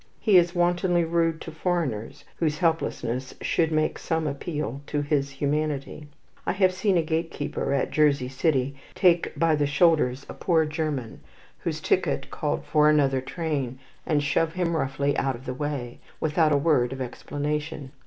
He is wantonly rude to foreigners, whose helplessness should make some appeal to his humanity. I have seen a gatekeeper at Jersey City take by the shoulders a poor German, whose ticket called for another train, and shove him roughly out of the way, without a word of explanation.